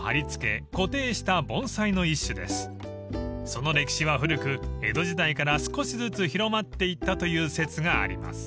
［その歴史は古く江戸時代から少しずつ広まっていったという説があります］